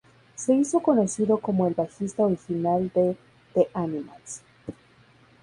Se hizo conocido como el bajista original de The Animals.